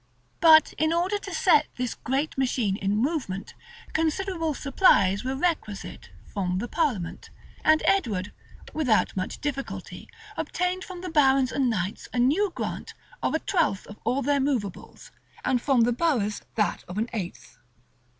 But in order to set this great machine in movement, considerable supplies were requisite from the parliament; and Edward, without much difficulty, obtained from the barons and knights a new grant of a twelfth of all their movables, and from the boroughs that of an eighth.